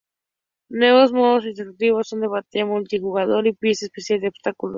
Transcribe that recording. Nuevos modos introducidos son batalla multijugador y pista especial de obstáculos.